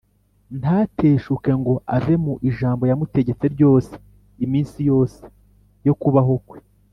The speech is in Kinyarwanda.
ntateshuke ngo ave mu ijambo yamutegetse ryose iminsi yose yo kubaho kwe